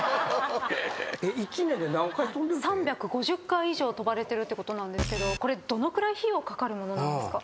３５０回以上飛ばれてるってことなんですけどこれどのくらい費用掛かるものなんですか？